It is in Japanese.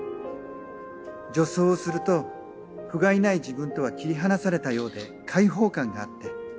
女装をするとふがいない自分とは切り離されたようで解放感があって。